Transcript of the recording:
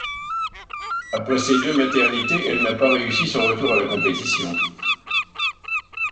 Après ses deux maternités, elle n'a pas réussi son retour à la compétition.